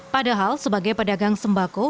padahal sebagai pedagang sembako